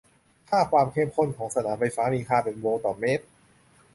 ค่าความเข้มข้นของสนามไฟฟ้ามีค่าเป็นโวลต์ต่อเมตร